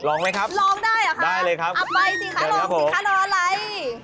ลองไหมครับได้เลยครับอับใบสิคะลองสิคะนอนไอ